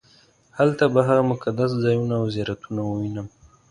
هلته به هغه مقدس ځایونه او زیارتونه ووینم.